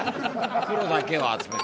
袋だけを集める。